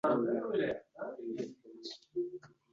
Ona bo‘lishi kerak ekan Vatan.